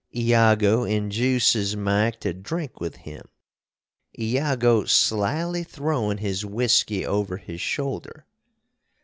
Iago injuces Mike to drink with him, Iago slily throwin his whiskey over his shoulder.